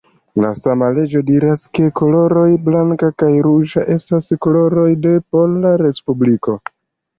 La sama leĝo diras, ke koloroj blanka kaj ruĝa estas koloroj de Pola Respubliko.